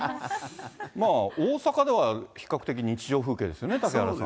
大阪では比較的日常風景ですよね、嵩原さん。